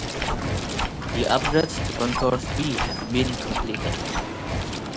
The upgrades to Concourse B have been completed.